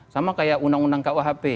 sama kayak undang undang kuhp